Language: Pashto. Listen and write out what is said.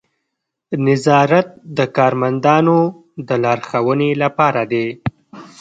نظارت د کارمندانو د لارښوونې لپاره دی.